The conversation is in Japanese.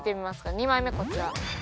２枚目こちら。